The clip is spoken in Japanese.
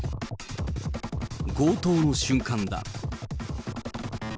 強盗の瞬間だ。